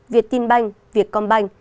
việt tin bank việt com bank